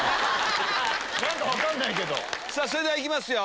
さぁそれでは行きますよ。